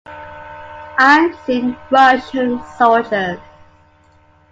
I've seen Russian soldiers.